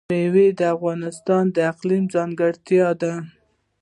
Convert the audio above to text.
مېوې د افغانستان د اقلیم ځانګړتیا ده.